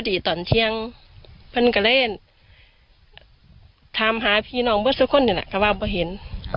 พอดีตอนเที่ยงพันกะเล่นทำหาพี่น้องเบอร์สักคนอย่างนี้ล่ะก็ว่าไม่เห็น